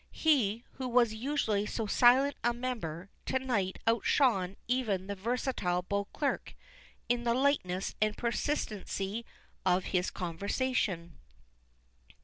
He, who was usually so silent a member, to night outshone even the versatile Beauclerk in the lightness and persistency of his conversation.